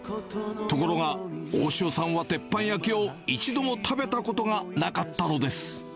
ところが大塩さんは鉄板焼きを一度も食べたことがなかったのです。